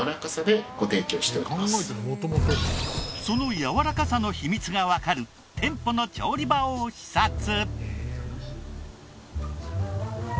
そのやわらかさの秘密がわかる店舗の調理場を視察。